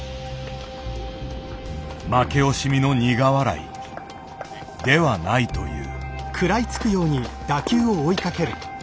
負け惜しみの苦笑いではないという。